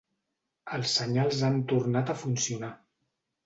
Els senyals han tornat a funcionar.